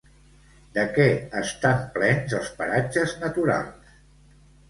De què estan plens els paratges naturals?